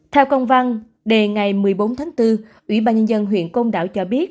theo công văn đề ngày một mươi bốn tháng bốn ủy ban nhân dân huyện côn đảo cho biết